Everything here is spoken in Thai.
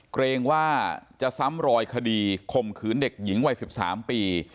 เกรงว่าจะซ้ำรอยคดีข่มขืนเด็กหญิงวัย๑๓ปี